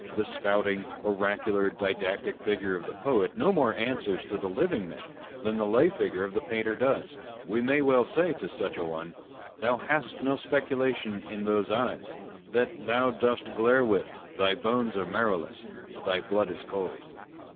The spouting, oracular, didactic figure of the poet no more answers to the living man, than the lay figure of the painter does. We may well say to such a one â€" Thou hast no speculation in those eyes That thou dost glare with : thy bones are marrowless, Thy blood is cold